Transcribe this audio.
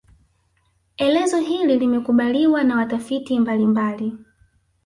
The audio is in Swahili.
Elezo hili limekubaliwa na watafiti mbalimbali